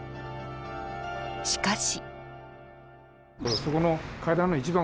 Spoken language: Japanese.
しかし。